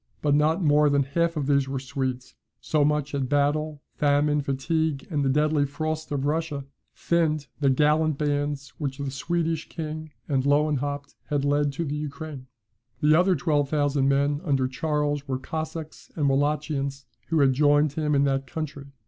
But not more than half of these were Swedes; so much had battle, famine, fatigue, and the deadly frosts of Russia, thinned the gallant bands which the Swedish king and Lewenhaupt had led to the Ukraine. The other twelve thousand men under Charles were Cossacks and Wallachians, who had joined him in that country.